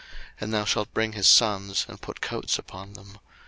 02:029:008 And thou shalt bring his sons, and put coats upon them.